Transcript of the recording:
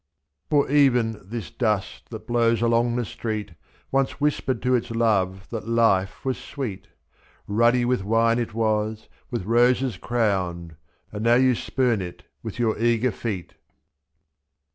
For even this dust that blows along the street Once whispered to its love that life was sweet, 2, &&.Ruddy with wine it was, with roses crowned. And now you spurn it with your eager feet.